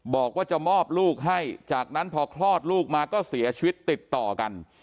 บอกว่าจะมอบลูกให้จากนั้นพอคลอดลูกมาก็เสียชีวิตติดต่อกัน